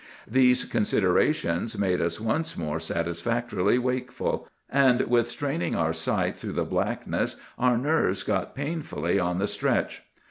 These considerations made us once more satisfactorily wakeful, and with straining our sight through the blackness our nerves got painfully on the stretch.